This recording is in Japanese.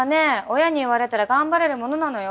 親に言われたら頑張れるものなのよ。